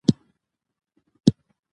اداري مقررات د نظم ساتلو اساسي وسیله ده.